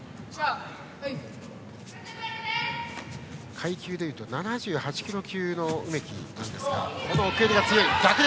階級でいうと７８キロ級の梅木ですが奥襟が強い。